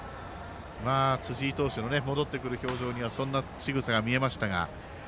辻井投手の戻ってくる表情にはそんなしぐさが見えましたが。